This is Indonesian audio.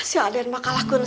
si aden mah kalahkan